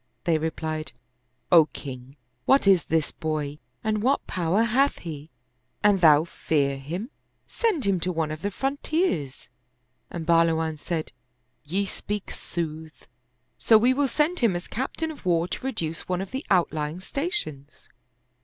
They replied, " O king, what is this boy, and what power hath he? An thou fear him, send him to one of the frontiers." And Bahluwan said, " Ye speak sooth ; so we will send him as captain of war to reduce one of the outlying stations."